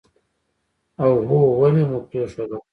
اوهووو ولې مو پرېښودله.